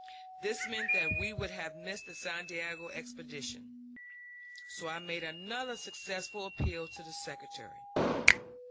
This meant that we would have missed the Santiago expedition. So I made another successful appeal to the Secretary.